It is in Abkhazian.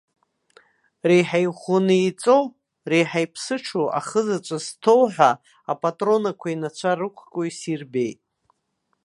Реиҳа иӷәӷәаны еиҵоу, реиҳа иԥсыҽу, ахызаҵә зҭоу ҳәа апатронақәа инацәа рықәкуа исирбеит.